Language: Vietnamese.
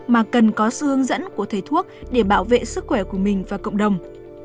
mà cần có sự hướng dẫn của thầy thuốc để bảo vệ sức khỏe của mình và cộng đồng